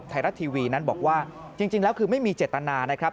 ไทยรัฐทีวีนั้นบอกว่าจริงแล้วคือไม่มีเจตนานะครับ